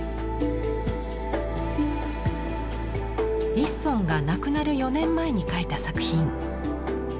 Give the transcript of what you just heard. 一村が亡くなる４年前に描いた作品。